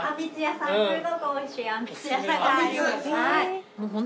すごくおいしいあんみつ屋さんがあります。